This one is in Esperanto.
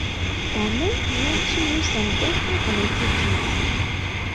Tamen ne ĉiuj samtempe komenciĝis!